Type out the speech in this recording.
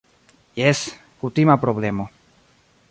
Jes, kutima problemo